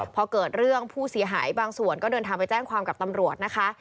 พอเกิดเรื่องผู้เสียหายบางส่วนก็เดินทางไปแจ้งความกับตำรวจนะคะ